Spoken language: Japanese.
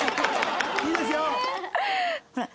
いいですよ！